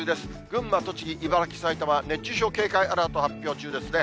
群馬、栃木、茨城、埼玉、熱中症警戒アラート発表中ですね。